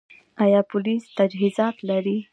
آیا پولیس تجهیزات لري؟